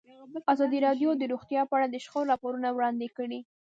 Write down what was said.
ازادي راډیو د روغتیا په اړه د شخړو راپورونه وړاندې کړي.